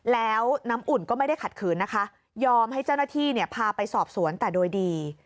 แล้วน้ำอุ่นก็ไม่ได้ขัดขืนนะคะยอมให้เจ้าหน้าที่พาไปสอบสวนแต่โดยดี